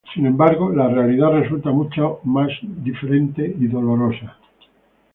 Sin embargo, la realidad resulta ser mucho más diferente y dolorosa.